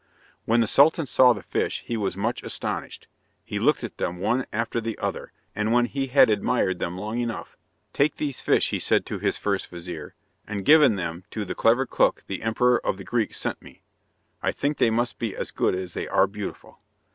When the Sultan saw the fish he was much astonished. He looked at them one after the other, and when he had admired them long enough, "Take these fish," he said to his first vizir, "and given them to the clever cook the Emperor of the Greeks sent me. I think they must be as good as they are beautiful."